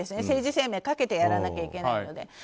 政治生命をかけてやらなきゃいけないので。